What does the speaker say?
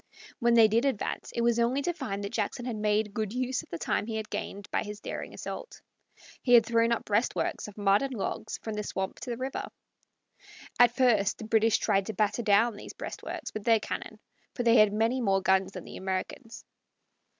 When they did advance, it was only to find that Jackson had made good use of the time he had gained by his daring assault. He had thrown up breastworks of mud and logs from the swamp to the river. At first the British tried to batter down these breastworks with their cannon, for they had many more guns than the Americans.